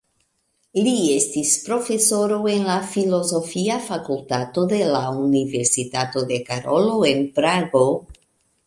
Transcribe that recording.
Li estis profesoro en la Filozofia fakultato de la Universitato de Karolo en Prago.